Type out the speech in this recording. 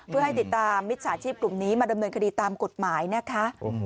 เพื่อให้ติดตามมิจฉาชีพกลุ่มนี้มาดำเนินคดีตามกฎหมายนะคะ